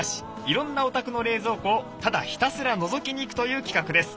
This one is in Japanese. いろんなお宅の冷蔵庫をただひたすらのぞきに行くという企画です。